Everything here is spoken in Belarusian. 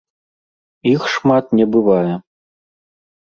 Іх шмат не бывае.